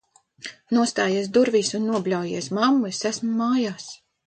Nostājies durvīs un nobļaujies: "Mammu, esmu mājās!"